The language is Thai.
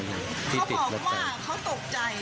เมื่อกี้นะแกเดินข้ามถนนไป